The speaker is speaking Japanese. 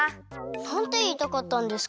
なんていいたかったんですか？